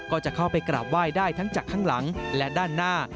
ก็จะเข้าไปกราบไหว้ได้ทั้งจากข้างหลังและด้านหน้า